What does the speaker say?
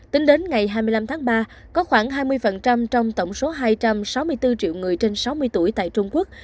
tính đến ngày hai mươi năm tháng ba có khoảng hai mươi trong tổng số hai trăm sáu mươi bốn triệu người trên sáu mươi tuổi tại trung quốc